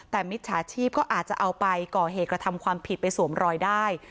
แต่มิจฉาชีพก็อาจจะเอาไปก่อเหตุกระทำความผิดไปสวมรอยได้